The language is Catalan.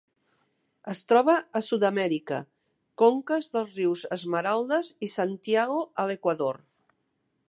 Es troba a Sud-amèrica: conques dels rius Esmeraldas i Santiago a l'Equador.